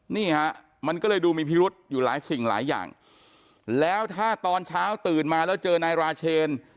นี่ฮะมันก็เลยดูมีพิรุษอยู่หลายสิ่งหลายอย่างแล้วถ้าตอนเช้าตื่นมาแล้วเจอนายราเชน